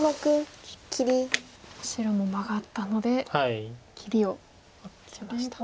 白もマガったので切りを打ちました。